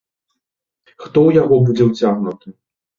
Хто ў яго будзе ўцягнуты?